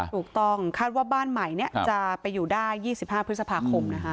ถูกต้องคาดว่าบ้านใหม่จะไปอยู่ได้๒๕พฤษภาคมนะคะ